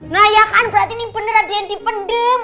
nah ya kan berarti nih bener bener diandipendem